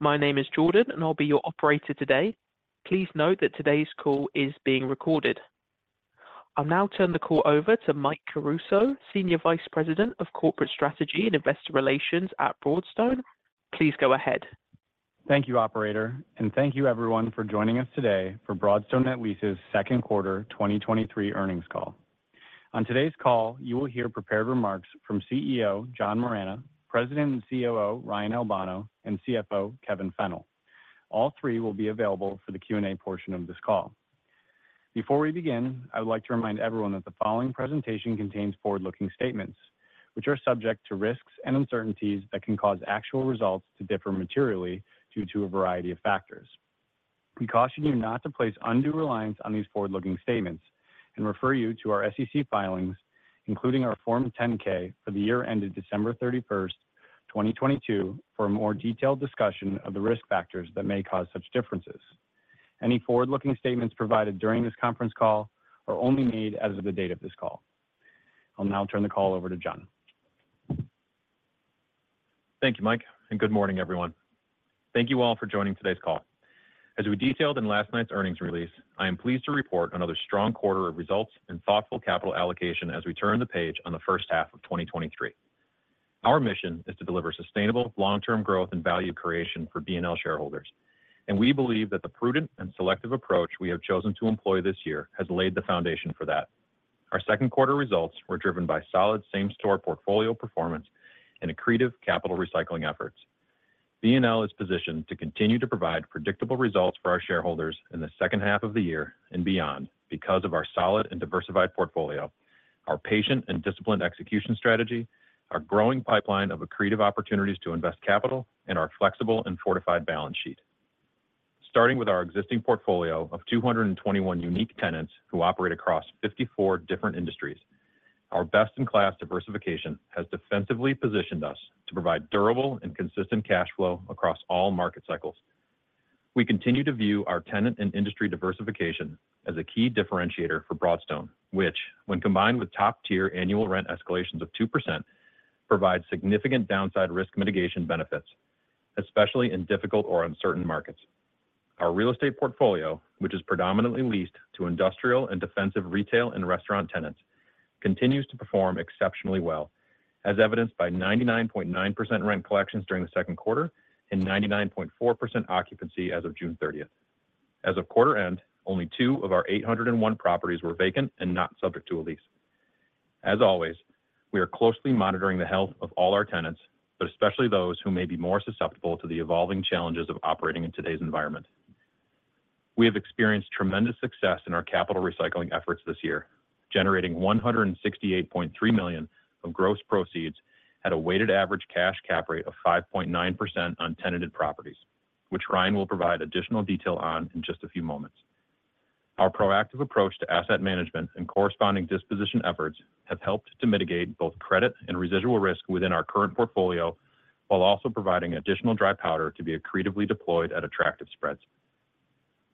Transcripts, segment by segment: My name is Jordan, and I'll be your operator today. Please note that today's call is being recorded. I'll now turn the call over to Mike Caruso, Senior Vice President of Corporate Strategy and Investor Relations at Broadstone. Please go ahead. Thank you, operator, thank you everyone for joining us today for Broadstone Net Lease's second quarter 2023 earnings call. On today's call, you will hear prepared remarks from CEO, John Moragne, President and COO, Ryan Albano, and CFO, Kevin Fennell. All three will be available for the Q&A portion of this call. Before we begin, I would like to remind everyone that the following presentation contains forward-looking statements, which are subject to risks and uncertainties that can cause actual results to differ materially due to a variety of factors. We caution you not to place undue reliance on these forward-looking statements and refer you to our S.E.C. filings, including our Form 10-K for the year ended December 31st, 2022, for a more detailed discussion of the risk factors that may cause such differences. Any forward-looking statements provided during this conference call are only made as of the date of this call. I'll now turn the call over to John. Thank you, Mike, and good morning, everyone. Thank you all for joining today's call. As we detailed in last night's earnings release, I am pleased to report another strong quarter of results and thoughtful capital allocation as we turn the page on the first half of 2023. Our mission is to deliver sustainable long-term growth and value creation for BNL shareholders, and we believe that the prudent and selective approach we have chosen to employ this year has laid the foundation for that. Our second quarter results were driven by solid same-store portfolio performance and accretive capital recycling efforts. BNL is positioned to continue to provide predictable results for our shareholders in the second half of the year and beyond because of our solid and diversified portfolio, our patient and disciplined execution strategy, our growing pipeline of accretive opportunities to invest capital, and our flexible and fortified balance sheet. Starting with our existing portfolio of 221 unique tenants who operate across 54 different industries, our best-in-class diversification has defensively positioned us to provide durable and consistent cash flow across all market cycles. We continue to view our tenant and industry diversification as a key differentiator for Broadstone, which, when combined with top-tier annual rent escalations of 2%, provides significant downside risk mitigation benefits, especially in difficult or uncertain markets. Our real estate portfolio, which is predominantly leased to industrial and defensive retail and restaurant tenants, continues to perform exceptionally well, as evidenced by 99.9% rent collections during the second quarter and 99.4% occupancy as of June thirtieth. As of quarter end, only two of our 801 properties were vacant and not subject to a lease. As always, we are closely monitoring the health of all our tenants, but especially those who may be more susceptible to the evolving challenges of operating in today's environment. We have experienced tremendous success in our capital recycling efforts this year, generating $168.3 million of gross proceeds at a weighted average cash cap rate of 5.9% on tenanted properties, which Ryan will provide additional detail on in just a few moments. Our proactive approach to asset management and corresponding disposition efforts have helped to mitigate both credit and residual risk within our current portfolio, while also providing additional dry powder to be accretively deployed at attractive spreads.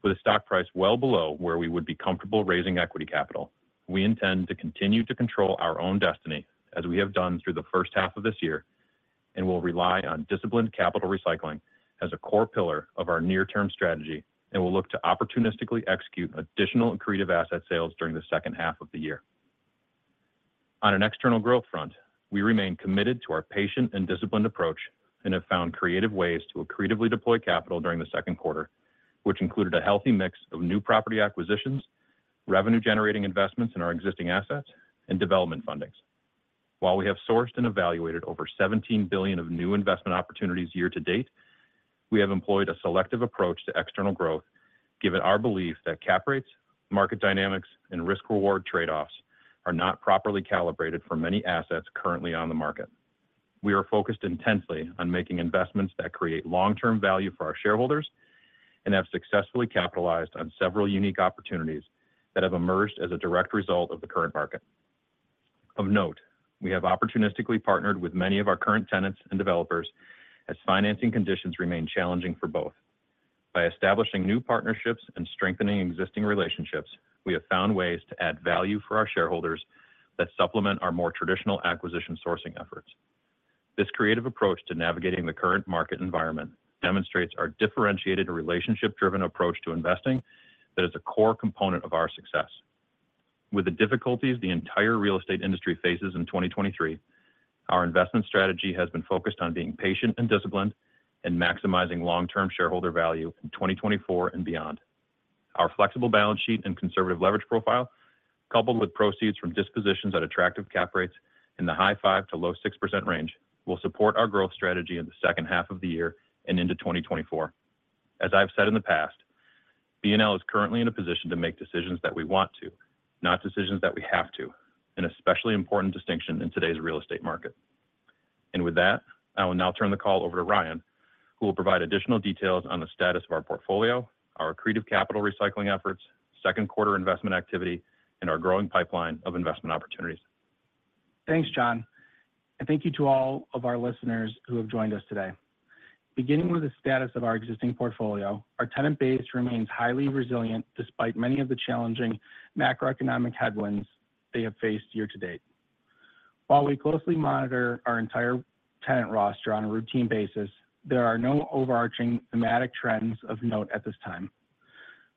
With a stock price well below where we would be comfortable raising equity capital, we intend to continue to control our own destiny as we have done through the first half of this year, and will rely on disciplined capital recycling as a core pillar of our near-term strategy, and will look to opportunistically execute additional accretive asset sales during the second half of the year. On an external growth front, we remain committed to our patient and disciplined approach and have found creative ways to accretively deploy capital during the second quarter, which included a healthy mix of new property acquisitions, revenue-generating investments in our existing assets, and development fundings. While we have sourced and evaluated over $17 billion of new investment opportunities year to date, we have employed a selective approach to external growth, given our belief that cap rates, market dynamics, and risk reward trade-offs are not properly calibrated for many assets currently on the market. We are focused intensely on making investments that create long-term value for our shareholders and have successfully capitalized on several unique opportunities that have emerged as a direct result of the current market. Of note, we have opportunistically partnered with many of our current tenants and developers as financing conditions remain challenging for both. By establishing new partnerships and strengthening existing relationships, we have found ways to add value for our shareholders that supplement our more traditional acquisition sourcing efforts. This creative approach to navigating the current market environment demonstrates our differentiated and relationship-driven approach to investing that is a core component of our success. With the difficulties the entire real estate industry faces in 2023, our investment strategy has been focused on being patient and disciplined, and maximizing long-term shareholder value in 2024 and beyond. Our flexible balance sheet and conservative leverage profile, coupled with proceeds from dispositions at attractive cap rates in the high 5%-low 6% range, will support our growth strategy in the second half of the year and into 2024. As I've said in the past, BNL is currently in a position to make decisions that we want to, not decisions that we have to, an especially important distinction in today's real estate market. With that, I will now turn the call over to Ryan, who will provide additional details on the status of our portfolio, our accretive capital recycling efforts, second quarter investment activity, and our growing pipeline of investment opportunities. Thanks, John. Thank you to all of our listeners who have joined us today. Beginning with the status of our existing portfolio, our tenant base remains highly resilient despite many of the challenging macroeconomic headwinds they have faced year to date. While we closely monitor our entire tenant roster on a routine basis, there are no overarching thematic trends of note at this time.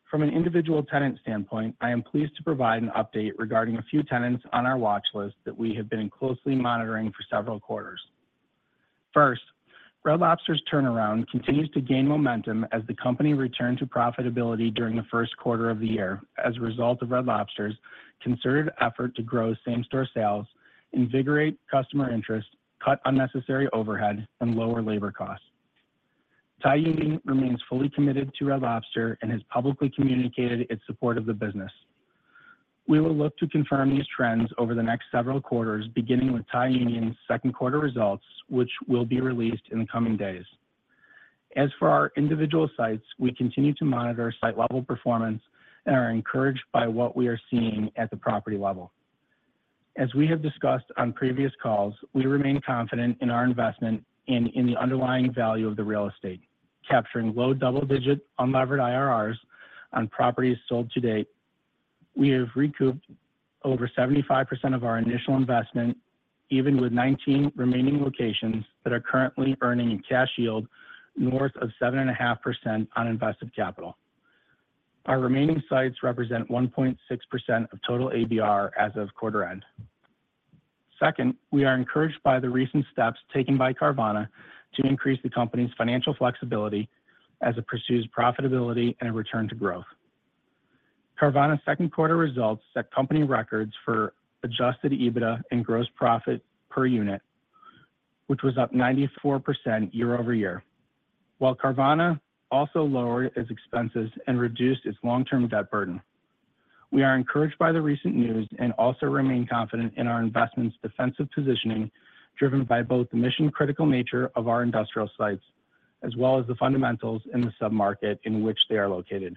From an individual tenant standpoint, I am pleased to provide an update regarding a few tenants on our watch list that we have been closely monitoring for several quarters. First, Red Lobster's turnaround continues to gain momentum as the company returned to profitability during the first quarter of the year as a result of Red Lobster's concerted effort to grow same-store sales, invigorate customer interest, cut unnecessary overhead, and lower labor costs. Thai Union remains fully committed to Red Lobster and has publicly communicated its support of the business. We will look to confirm these trends over the next several quarters, beginning with Thai Union's second quarter results, which will be released in the coming days. As for our individual sites, we continue to monitor site-level performance and are encouraged by what we are seeing at the property level. As we have discussed on previous calls, we remain confident in our investment and in the underlying value of the real estate, capturing low double-digit unlevered IRRs on properties sold to date. We have recouped over 75% of our initial investment, even with 19 remaining locations that are currently earning a cash yield north of 7.5% on invested capital. Our remaining sites represent 1.6% of total ABR as of quarter end. Second, we are encouraged by the recent steps taken by Carvana to increase the company's financial flexibility as it pursues profitability and a return to growth. Carvana's second quarter results set company records for adjusted EBITDA and gross profit per unit, which was up 94% year-over-year, while Carvana also lowered its expenses and reduced its long-term debt burden. We are encouraged by the recent news and also remain confident in our investment's defensive positioning, driven by both the mission-critical nature of our industrial sites as well as the fundamentals in the sub-market in which they are located.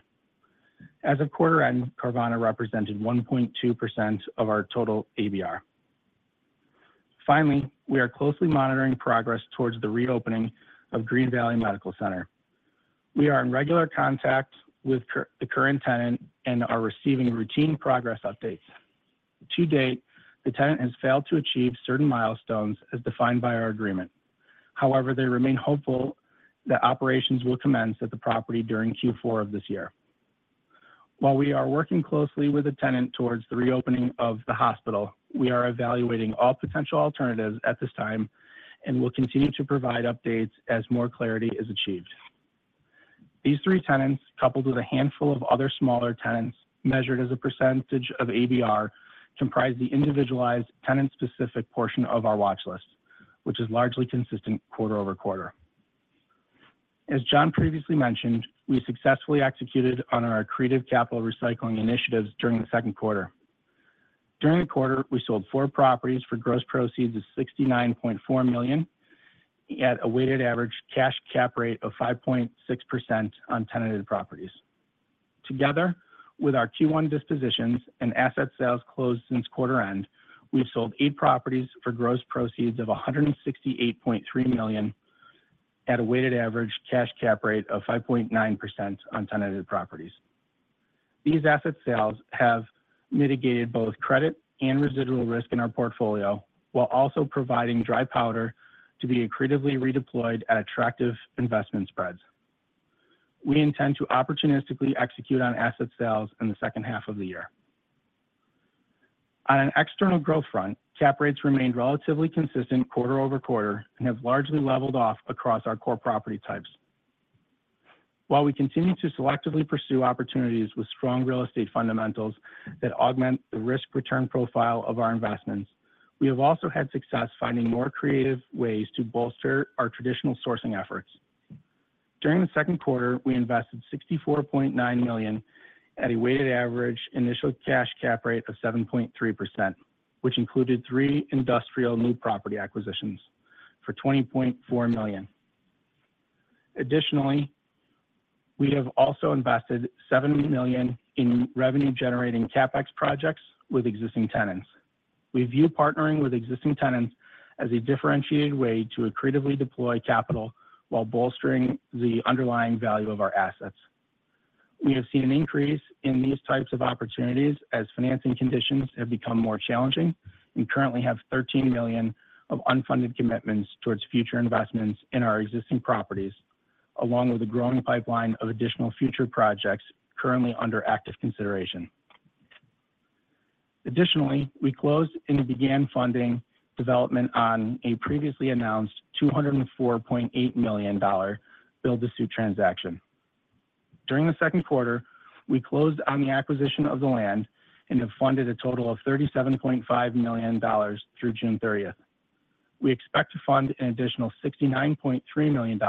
As of quarter end, Carvana represented 1.2% of our total ABR. We are closely monitoring progress towards the reopening of Green Valley Medical Center. We are in regular contact with the current tenant and are receiving routine progress updates. To date, the tenant has failed to achieve certain milestones as defined by our agreement. They remain hopeful that operations will commence at the property during Q4 of this year. While we are working closely with the tenant towards the reopening of the hospital, we are evaluating all potential alternatives at this time and will continue to provide updates as more clarity is achieved. These three tenants, coupled with a handful of other smaller tenants, measured as a percentage of ABR, comprise the individualized tenant-specific portion of our watch list, which is largely consistent quarter-over-quarter. As John previously mentioned, we successfully executed on our accretive capital recycling initiatives during the second quarter. During the quarter, we sold four properties for gross proceeds of $69.4 million at a weighted average cash cap rate of 5.6% on tenanted properties. Together, with our Q1 dispositions and asset sales closed since quarter end, we've sold eight properties for gross proceeds of $168.3 million at a weighted average cash cap rate of 5.9% on tenanted properties. These asset sales have mitigated both credit and residual risk in our portfolio, while also providing dry powder to be accretively redeployed at attractive investment spreads. We intend to opportunistically execute on asset sales in the second half of the year. On an external growth front, cap rates remained relatively consistent quarter-over-quarter and have largely leveled off across our core property types. While we continue to selectively pursue opportunities with strong real estate fundamentals that augment the risk-return profile of our investments, we have also had success finding more creative ways to bolster our traditional sourcing efforts. During the second quarter, we invested $64.9 million at a weighted average initial cash cap rate of 7.3%, which included three industrial new property acquisitions for $20.4 million. We have also invested $70 million in revenue-generating CapEx projects with existing tenants. We view partnering with existing tenants as a differentiated way to accretively deploy capital while bolstering the underlying value of our assets. We have seen an increase in these types of opportunities as financing conditions have become more challenging. We currently have $13 million of unfunded commitments towards future investments in our existing properties, along with a growing pipeline of additional future projects currently under active consideration. We closed and began funding development on a previously announced $204.8 million build-to-suit transaction. During the second quarter, we closed on the acquisition of the land and have funded a total of $37.5 million through June 30th. We expect to fund an additional $69.3 million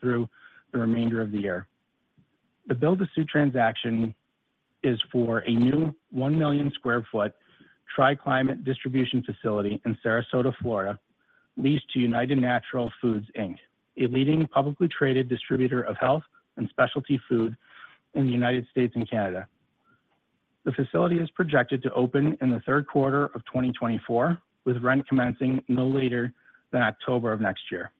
through the remainder of the year. The build-to-suit transaction is for a new 1 million sq ft tri-climate distribution facility in Sarasota, Florida, leased to United Natural Foods, Inc, a leading publicly traded distributor of health and specialty food in the United States and Canada. The facility is projected to open in the third quarter of 2024, with rent commencing no later than October of next year.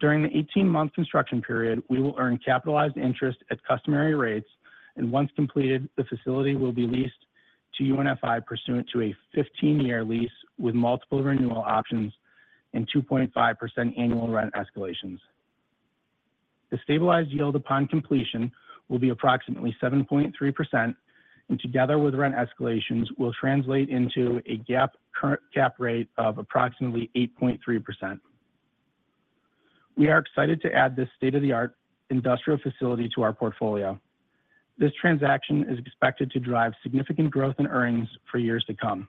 During the 18-month construction period, we will earn capitalized interest at customary rates, and once completed, the facility will be leased to UNFI pursuant to a 15-year lease with multiple renewal options and 2.5% annual rent escalations. The stabilized yield upon completion will be approximately 7.3%, and together with rent escalations, will translate into a GAAP current cap rate of approximately 8.3%. We are excited to add this state-of-the-art industrial facility to our portfolio. This transaction is expected to drive significant growth in earnings for years to come.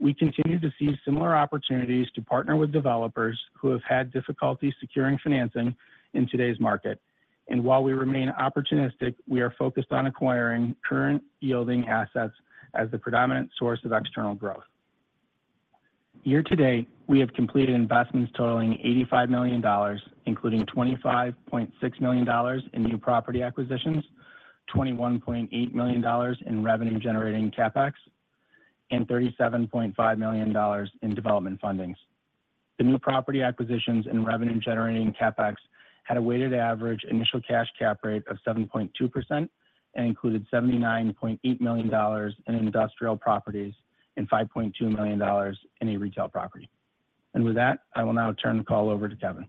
We continue to see similar opportunities to partner with developers who have had difficulty securing financing in today's market. While we remain opportunistic, we are focused on acquiring current yielding assets as the predominant source of external growth. Year to date, we have completed investments totaling $85 million, including $25.6 million in new property acquisitions, $21.8 million in revenue-generating CapEx, and $37.5 million in development fundings. The new property acquisitions and revenue-generating CapEx had a weighted average initial cash cap rate of 7.2% and included $79.8 million in industrial properties and $5.2 million in a retail property. With that, I will now turn the call over to Kevin.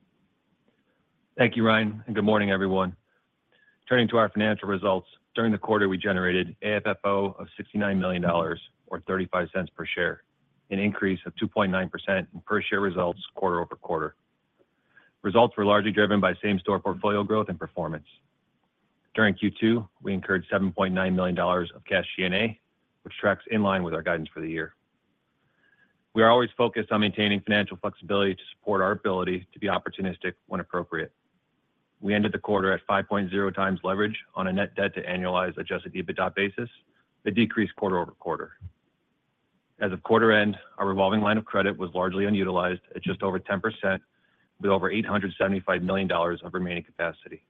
Thank you, Ryan. Good morning, everyone. Turning to our financial results, during the quarter, we generated AFFO of $69 million, or $0.35 per share, an increase of 2.9% in per share results quarter-over-quarter. Results were largely driven by same-store portfolio growth and performance. During Q2, we incurred $7.9 million of cash G&A, which tracks in line with our guidance for the year. We are always focused on maintaining financial flexibility to support our ability to be opportunistic when appropriate. We ended the quarter at 5.0x leverage on a net debt to annualized adjusted EBITDA basis, a decrease quarter-over-quarter. As of quarter end, our revolving line of credit was largely unutilized at just over 10%, with over $875 million of remaining capacity.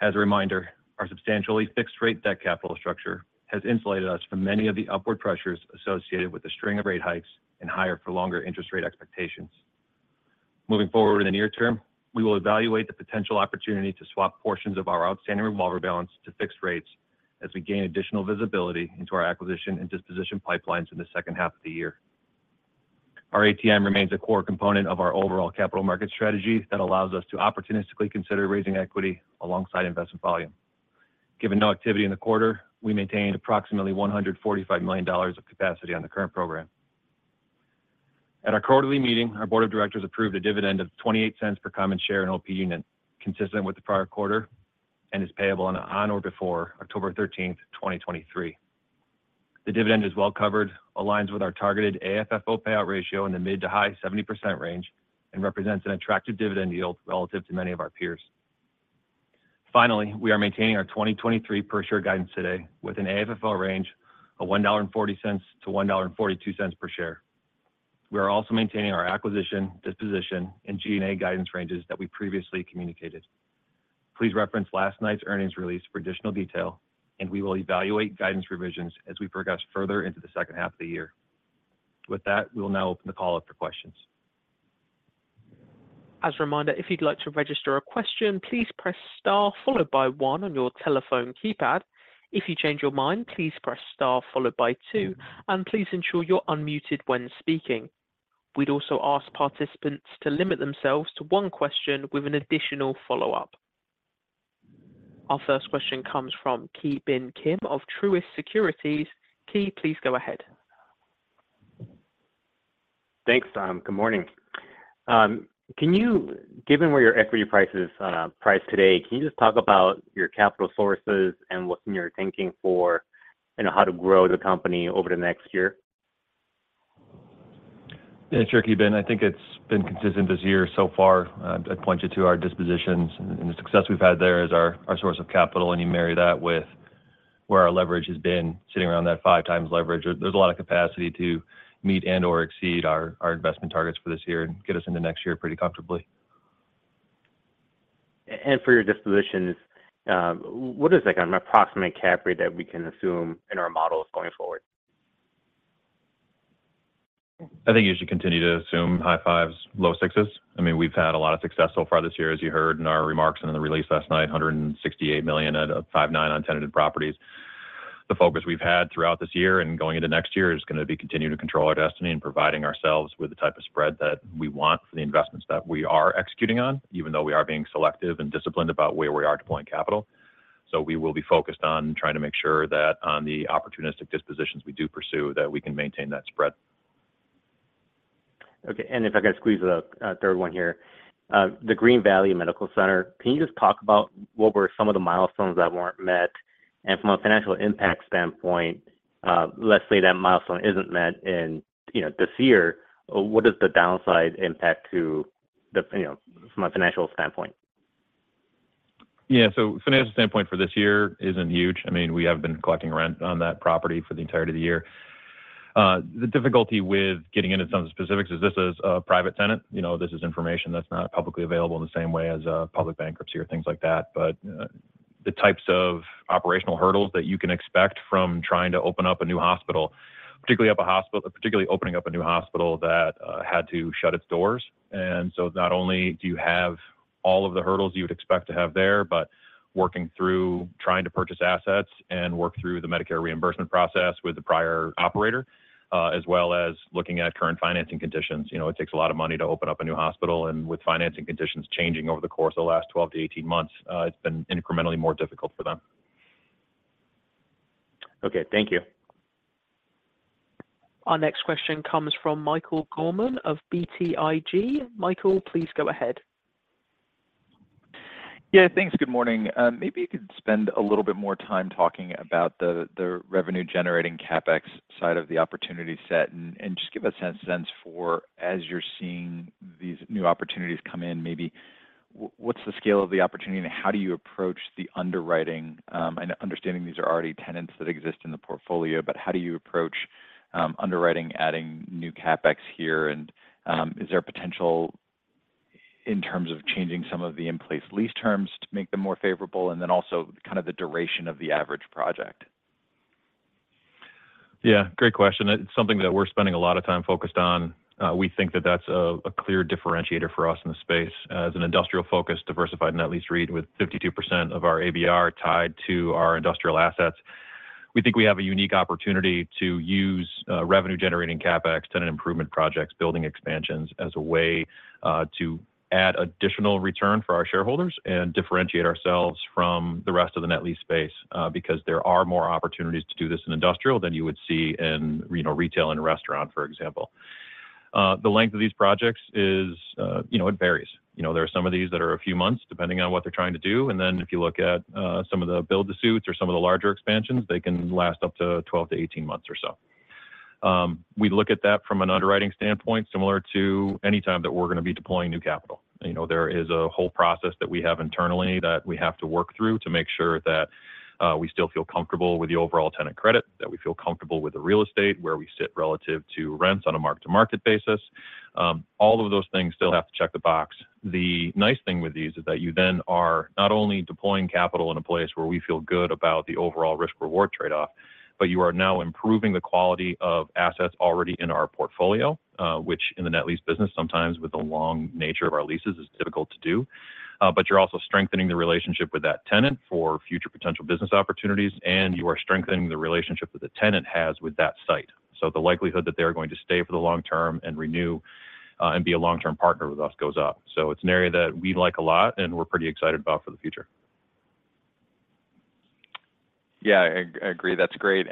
As a reminder, our substantially fixed rate debt capital structure has insulated us from many of the upward pressures associated with the string of rate hikes and higher for longer interest rate expectations. Moving forward in the near term, we will evaluate the potential opportunity to swap portions of our outstanding revolver balance to fixed rates as we gain additional visibility into our acquisition and disposition pipelines in the second half of the year. Our ATM remains a core component of our overall capital market strategy that allows us to opportunistically consider raising equity alongside investment volume. Given no activity in the quarter, we maintained approximately $145 million of capacity on the current program. At our quarterly meeting, our board of directors approved a dividend of $0.28 per common share and OP Unit, consistent with the prior quarter, and is payable on or before October 13, 2023. The dividend is well covered, aligns with our targeted AFFO payout ratio in the mid to high 70% range, and represents an attractive dividend yield relative to many of our peers. Finally, we are maintaining our 2023 per share guidance today with an AFFO range of $1.40-$1.42 per share. We are also maintaining our acquisition, disposition, and G&A guidance ranges that we previously communicated. Please reference last night's earnings release for additional detail, and we will evaluate guidance revisions as we progress further into the second half of the year. With that, we will now open the call up for questions. As a reminder, if you'd like to register a question, please press star followed by one on your telephone keypad. If you change your mind, please press star followed by two, and please ensure you're unmuted when speaking. We'd also ask participants to limit themselves to one question with an additional follow-up. Our first question comes from Ki Bin Kim of Truist Securities. Ki, please go ahead. Thanks, Jordan. Good morning. Given where your equity price is priced today, can you just talk about your capital sources and what's your thinking for, you know, how to grow the company over the next year? Yeah, sure, Ki Bin. I think it's been consistent this year so far. I'd, I'd point you to our dispositions and the success we've had there as our, our source of capital. You marry that with where our leverage has been, sitting around that 5x leverage. There's a lot of capacity to meet and/or exceed our, our investment targets for this year and get us into next year pretty comfortably. For your dispositions, what is, like, an approximate cap rate that we can assume in our models going forward? I think you should continue to assume high fives, low sixes. I mean, we've had a lot of success so far this year, as you heard in our remarks and in the release last night, $168 million out of 5.9 on tenanted properties. The focus we've had throughout this year and going into next year is gonna be continuing to control our destiny and providing ourselves with the type of spread that we want for the investments that we are executing on, even though we are being selective and disciplined about where we are deploying capital. We will be focused on trying to make sure that on the opportunistic dispositions we do pursue, that we can maintain that spread. Okay. If I can squeeze a third one here. The Green Valley Medical Center, can you just talk about what were some of the milestones that weren't met? From a financial impact standpoint, let's say that milestone isn't met in, you know, this year, what is the downside impact to the, you know, from a financial standpoint? Yeah. Financial standpoint for this year isn't huge. I mean, we have been collecting rent on that property for the entirety of the year. The difficulty with getting into some of the specifics is this is a private tenant. You know, this is information that's not publicly available in the same way as a public bankruptcy or things like that. The types of operational hurdles that you can expect from trying to open up a new hospital, particularly opening up a new hospital that had to shut its doors. Not only do you have all of the hurdles you would expect to have there, but working through trying to purchase assets and work through the Medicare reimbursement process with the prior operator, as well as looking at current financing conditions. You know, it takes a lot of money to open up a new hospital, and with financing conditions changing over the course of the last 12 to 18 months, it's been incrementally more difficult for them. Okay, thank you. Our next question comes from Michael Gorman of BTIG. Michael, please go ahead. Yeah, thanks. Good morning. Maybe you could spend a little bit more time talking about the revenue-generating CapEx side of the opportunity set, and just give us a sense for, as you're seeing these new opportunities come in, maybe what's the scale of the opportunity and how do you approach the underwriting? I know understanding these are already tenants that exist in the portfolio, but how do you approach underwriting, adding new CapEx here? Is there potential in terms of changing some of the in-place lease terms to make them more favorable, and then also kind of the duration of the average project? Yeah, great question. It's something that we're spending a lot of time focused on. We think that that's a, a clear differentiator for us in the space. As an industrial-focused, diversified net lease REIT with 52% of our ABR tied to our industrial assets, we think we have a unique opportunity to use, revenue-generating CapEx, tenant improvement projects, building expansions as a way to add additional return for our shareholders and differentiate ourselves from the rest of the net lease space, because there are more opportunities to do this in industrial than you would see in, you know, retail and restaurant, for example. The length of these projects is, you know, it varies. You know, there are some of these that are a few months, depending on what they're trying to do, and then if you look at some of the build-to-suits or some of the larger expansions, they can last up to 12-18 months or so. We look at that from an underwriting standpoint, similar to any time that we're gonna be deploying new capital. You know, there is a whole process that we have internally that we have to work through to make sure that we still feel comfortable with the overall tenant credit, that we feel comfortable with the real estate, where we sit relative to rents on a mark-to-market basis. All of those things still have to check the box. The nice thing with these is that you then are not only deploying capital in a place where we feel good about the overall risk-reward trade-off, you are now improving the quality of assets already in our portfolio, which in the net lease business, sometimes with the long nature of our leases, is difficult to do. You're also strengthening the relationship with that tenant for future potential business opportunities, and you are strengthening the relationship that the tenant has with that site. The likelihood that they are going to stay for the long term and renew, and be a long-term partner with us goes up. It's an area that we like a lot, and we're pretty excited about for the future. Yeah, I, I agree. That's great.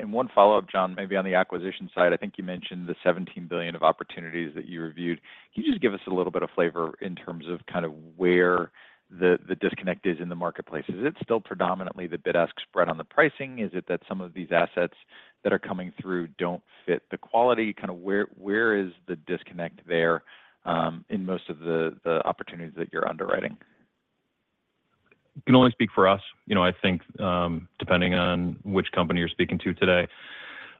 One follow-up, John, maybe on the acquisition side, I think you mentioned the $17 billion of opportunities that you reviewed. Can you just give us a little bit of flavor in terms of kind of where the, the disconnect is in the marketplace? Is it still predominantly the bid-ask spread on the pricing? Is it that some of these assets that are coming through don't fit the quality? Kinda where, where is the disconnect there, in most of the, the opportunities that you're underwriting? Can only speak for us. You know, I think, depending on which company you're speaking to today,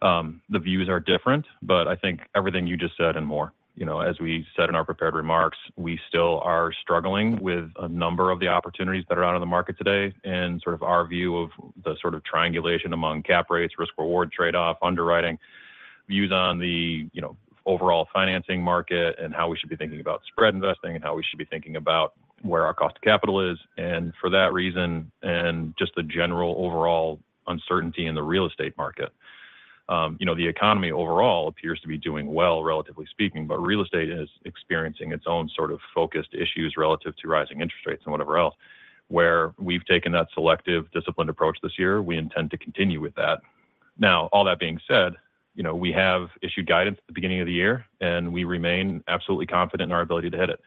the views are different, but I think everything you just said and more. You know, as we said in our prepared remarks, we still are struggling with a number of the opportunities that are out on the market today, and sort of our view of the sort of triangulation among cap rates, risk-reward trade-off, underwriting, views on the, you know, overall financing market and how we should be thinking about spread investing and how we should be thinking about where our cost of capital is, and for that reason, and just the general overall uncertainty in the real estate market. You know, the economy overall appears to be doing well, relatively speaking, but real estate is experiencing its own sort of focused issues relative to rising interest rates and whatever else, where we've taken that selective, disciplined approach this year, we intend to continue with that. Now, all that being said, you know, we have issued guidance at the beginning of the year, and we remain absolutely confident in our ability to hit it.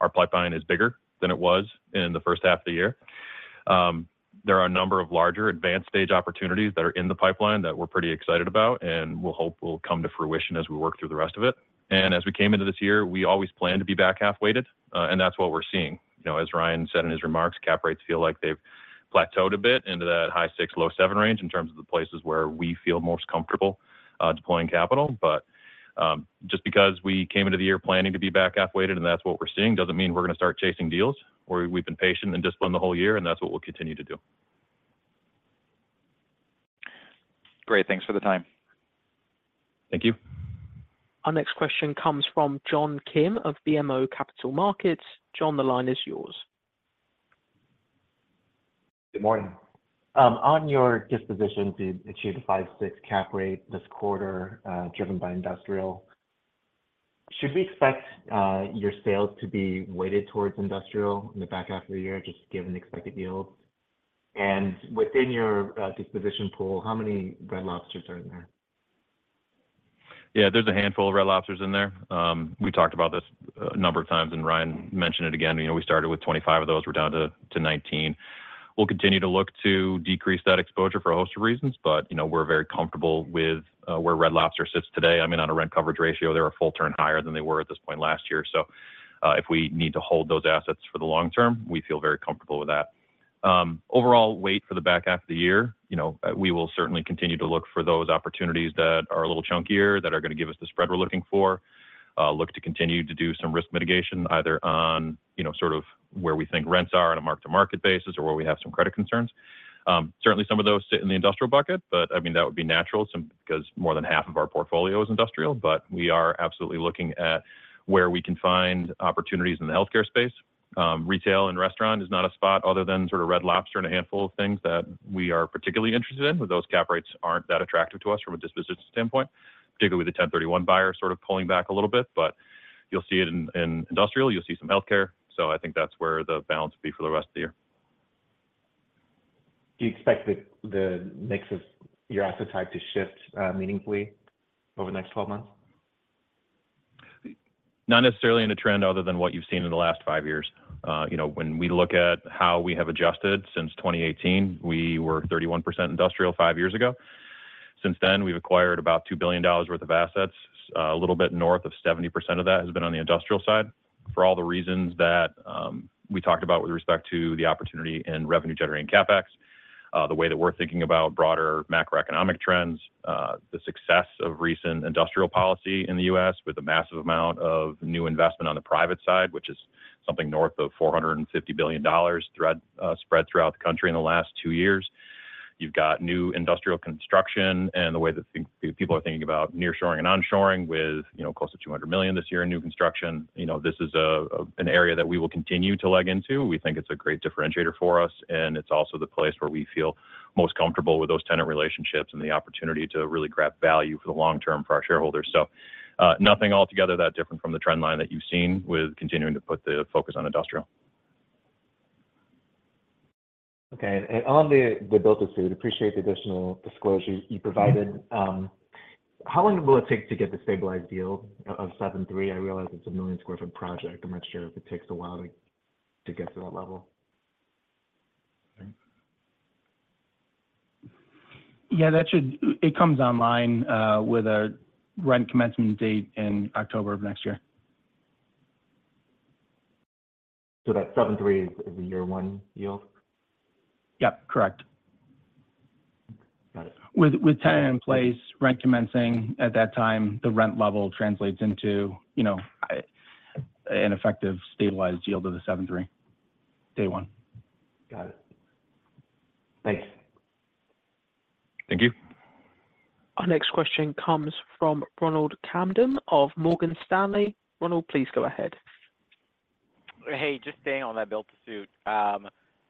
Our pipeline is bigger than it was in the 1st half of the year. There are a number of larger, advanced-stage opportunities that are in the pipeline that we're pretty excited about and we'll hope will come to fruition as we work through the rest of it. As we came into this year, we always planned to be back half-weighted, and that's what we're seeing. You know, as Ryan said in his remarks, cap rates feel like they've plateaued a bit into that high six, low seven range in terms of the places where we feel most comfortable, deploying capital. Just because we came into the year planning to be back half-weighted, and that's what we're seeing, doesn't mean we're gonna start chasing deals, or we've been patient and disciplined the whole year, and that's what we'll continue to do. Great. Thanks for the time. Thank you. Our next question comes from John Kim of BMO Capital Markets. John, the line is yours. Good morning. On your disposition to achieve the 5.6% cap rate this quarter, driven by industrial, should we expect your sales to be weighted towards industrial in the back half of the year, just given the expected yields? Within your disposition pool, how many Red Lobsters are in there? Yeah, there's a handful of Red Lobsters in there. We talked about this a number of times, Ryan mentioned it again. You know, we started with 25 of those, we're down to 19. We'll continue to look to decrease that exposure for a host of reasons, you know, we're very comfortable with where Red Lobster sits today. I mean, on a rent coverage ratio, they're a full turn higher than they were at this point last year. If we need to hold those assets for the long term, we feel very comfortable with that. Overall wait for the back half of the year. You know, we will certainly continue to look for those opportunities that are a little chunkier, that are gonna give us the spread we're looking for. Look to continue to do some risk mitigation, either on, you know, sort of where we think rents are on a mark-to-market basis or where we have some credit concerns. Certainly some of those sit in the industrial bucket, but, I mean, that would be natural since-- 'cause more than half of our portfolio is industrial. We are absolutely looking at where we can find opportunities in the healthcare space. Retail and restaurant is not a spot other than sort of Red Lobster and a handful of things that we are particularly interested in, but those cap rates aren't that attractive to us from a disposition standpoint. Particularly the 1031 buyers sort of pulling back a little bit, but you'll see it in, in industrial, you'll see some healthcare. I think that's where the balance will be for the rest of the year. Do you expect the mix of your asset type to shift, meaningfully over the next 12 months? Not necessarily in a trend other than what you've seen in the last five years. You know, when we look at how we have adjusted since 2018, we were 31% industrial five years ago. Since then, we've acquired about $2 billion worth of assets. A little bit north of 70% of that has been on the industrial side. For all the reasons that we talked about with respect to the opportunity in revenue generating CapEx, the way that we're thinking about broader macroeconomic trends, the success of recent industrial policy in the U.S., with a massive amount of new investment on the private side, which is something north of $450 billion thread, spread throughout the country in the last two years. You've got new industrial construction and the way that people are thinking about nearshoring and onshoring with, you know, close to $200 million this year in new construction. You know, this is an area that we will continue to leg into. We think it's a great differentiator for us, and it's also the place where we feel most comfortable with those tenant relationships and the opportunity to really grab value for the long term for our shareholders. Nothing altogether that different from the trend line that you've seen with continuing to put the focus on industrial. Okay. On the, the build-to-suit, appreciate the additional disclosure you provided. How long will it take to get the stabilized yield of 7.3%? I realize it's a 1 million sq ft project. I'm not sure if it takes a while to get to that level. Yeah, It comes online with a rent commencement date in October of next year. That 7.3 is a year one yield? Yep, correct. Got it. With, with tenant in place, rent commencing at that time, the rent level translates into, you know, an effective stabilized yield of the 7.3%. Day one. Got it. Thanks. Thank you. Our next question comes from Ronald Kamdem of Morgan Stanley. Ronald, please go ahead. Hey, just staying on that build-to-suit.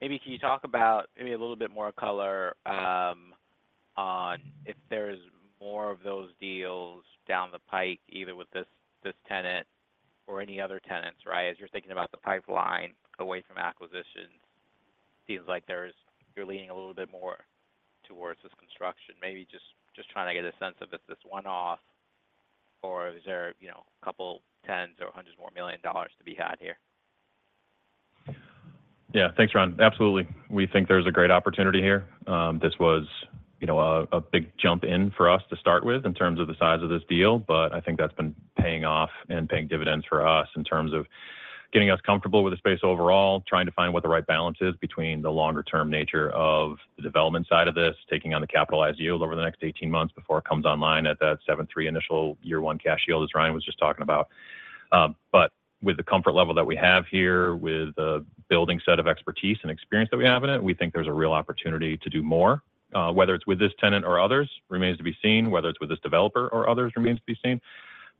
Maybe can you talk about maybe a little bit more color on if there's more of those deals down the pike, either with this, this tenant or any other tenants, right? As you're thinking about the pipeline away from acquisitions, seems like there's. You're leaning a little bit more towards this construction. Maybe just, just trying to get a sense of if this is one-off or is there, you know, a couple tens or hundreds more million dollars to be had here? Yeah. Thanks, Ron. Absolutely. We think there's a great opportunity here. This was, you know, a big jump in for us to start with in terms of the size of this deal, but I think that's been paying off and paying dividends for us in terms of getting us comfortable with the space overall, trying to find what the right balance is between the longer-term nature of the development side of this, taking on the capitalized yield over the next 18 months before it comes online at that 7.3 initial year one cash yield, as Ryan was just talking about. With the comfort level that we have here, with the building set of expertise and experience that we have in it, we think there's a real opportunity to do more. Whether it's with this tenant or others, remains to be seen, whether it's with this developer or others, remains to be seen.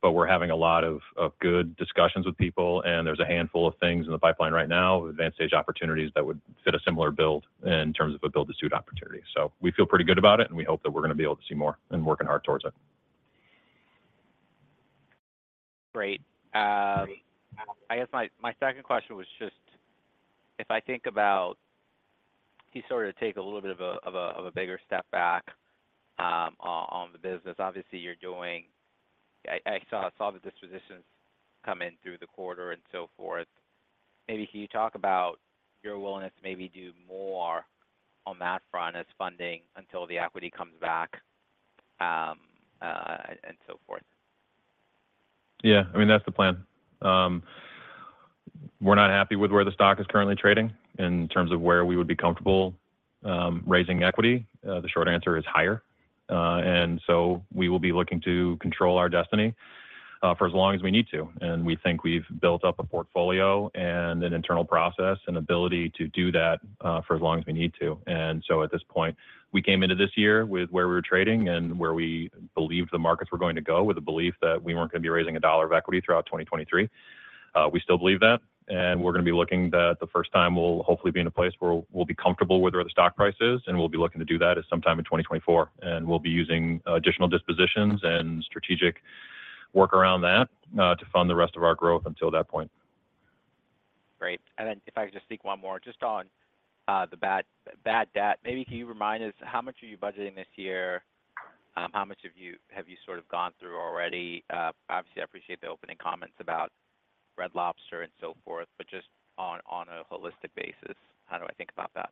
We're having a lot of good discussions with people, and there's a handful of things in the pipeline right now, advanced stage opportunities that would fit a similar build in terms of a build-to-suit opportunity. We feel pretty good about it, and we hope that we're gonna be able to see more and working hard towards it. Great. I guess my, my second question was just, if I think about... Can you sort of take a little bit of a bigger step back on the business. Obviously, I saw the dispositions come in through the quarter and so forth. Maybe can you talk about your willingness to maybe do more on that front as funding until the equity comes back and so forth? Yeah, I mean, that's the plan. We're not happy with where the stock is currently trading. In terms of where we would be comfortable, raising equity, the short answer is higher. So we will be looking to control our destiny, for as long as we need to. We think we've built up a portfolio and an internal process and ability to do that, for as long as we need to. So at this point, we came into this year with where we were trading and where we believed the markets were going to go, with a belief that we weren't gonna be raising $1 of equity throughout 2023. We still believe that, we're gonna be looking that the first time we'll hopefully be in a place where we'll be comfortable with where the stock price is, and we'll be looking to do that at some time in 2024. We'll be using additional dispositions and strategic work around that to fund the rest of our growth until that point. Great. Then if I could just sneak one more, just on the bad, bad debt. Maybe can you remind us how much are you budgeting this year? How much have you, have you sort of gone through already? Obviously, I appreciate the opening comments about Red Lobster and so forth, but just on a holistic basis, how do I think about that?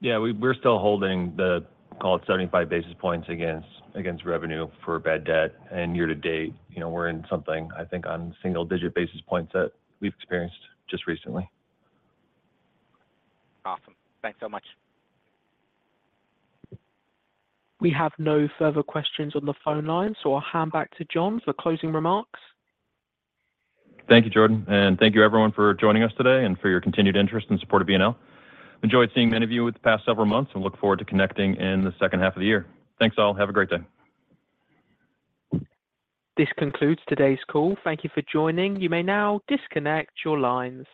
Yeah, we're still holding the call at 75 basis points against revenue for bad debt. Year to date, you know, we're in something, I think, on single-digit basis points that we've experienced just recently. Awesome. Thanks so much. We have no further questions on the phone line, so I'll hand back to John for closing remarks. Thank you, Jordan, and thank you everyone for joining us today and for your continued interest and support of BNL. Enjoyed seeing many of you with the past several months and look forward to connecting in the second half of the year. Thanks all. Have a great day. This concludes today's call. Thank you for joining. You may now disconnect your lines.